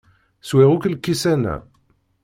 Swiɣ akk lkisan-a.